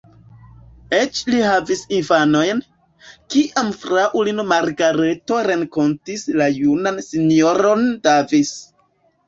Eĉ ili havis infanojn, kiam fraŭlino Margareto renkontis la junan S-ron Davis.